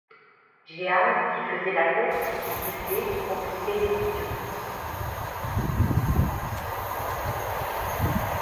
Jehan qui faisait la tête et qui sifflait complétait l'illusion.